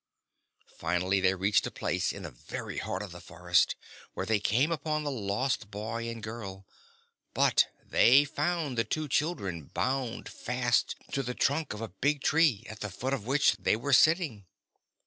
Finally they reached a place, in the very heart of the forest, where they came upon the lost boy and girl. But they found the two children bound fast to the trunk of a big tree, at the foot of which they were sitting.